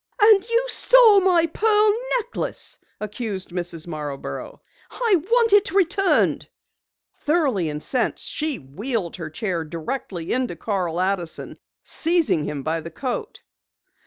"And you stole my pearl necklace!" accused Mrs. Marborough. "I want it returned!" Thoroughly incensed, she wheeled her chair directly into Carl Addison, seizing him by the coat.